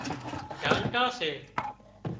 ڍالٽا سي